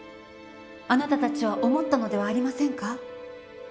あなたたちは思ったのではありませんか？